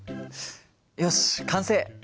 よし完成！